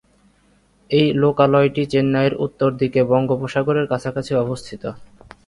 এই লোকালয়টি চেন্নাইয়ের উত্তর দিকে বঙ্গোপসাগরের কাছাকাছি অবস্থিত।